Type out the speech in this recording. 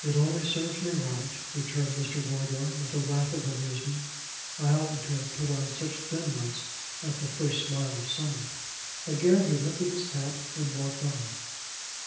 "It only serves me right," returned Mr. Wardour, with a laugh of amusement. "I oughtn't to have put on such thin ones at the first smile of summer." Again he lifted his hat, and walked on.